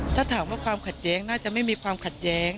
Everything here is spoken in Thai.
ถ้าถามว่าความขัดแย้งน่าจะไม่มีความขัดแย้ง